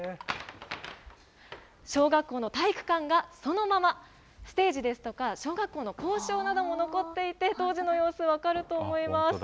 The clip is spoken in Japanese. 小学校の体育館が、そのままステージですとか、小学校の校章なども残っていて、当時の様子が分かると思います。